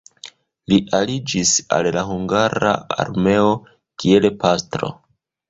Li aliĝis al la hungara armeo kiel pastro.